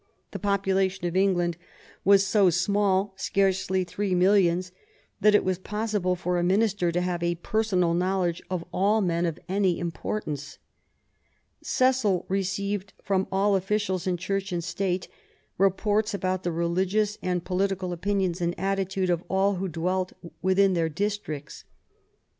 The population of England was so small, scarcely three millions, that it was possible for a minister to have a personal knowledge of all men of any importance. Cecil received from all officials, in Church and State, reports about the religious and political opinions and attitude of all who dwelt within their districts.